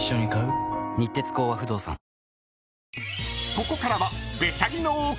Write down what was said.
［ここからは］